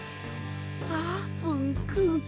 あーぷんくん。